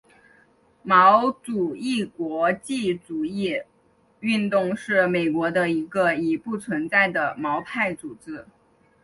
毛主义国际主义运动是美国的一个已不存在的毛派组织。